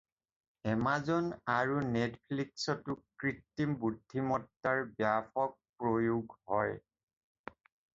Amazon আৰু নেটফ্লিক্সতো কৃত্ৰিম বুদ্ধিমত্তাৰ ব্যাপক প্ৰয়োগ হয়।